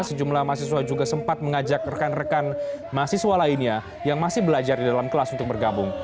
sejumlah mahasiswa juga sempat mengajak rekan rekan mahasiswa lainnya yang masih belajar di dalam kelas untuk bergabung